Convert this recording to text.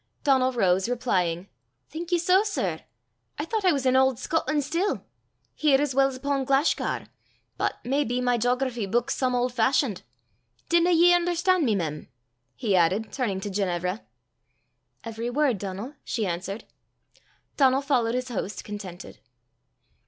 Donal rose, replying, "Think ye sae, sir? I thoucht I was in auld Scotlan' still here as weel 's upo' Glashgar. But may be my jography buik's some auld fashioned. Didna ye un'erstan' me, mem?" he added, turning to Ginevra. "Every word, Donal," she answered. Donal followed his host contented.